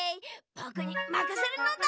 ぼくにまかせるのだ。